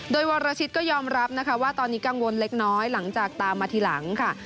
โดยวรชิตก็ยอมรับนะคะว่าตอนนี้กังวลเล็กน้อยหลังจากตามมาทีหลังค่ะ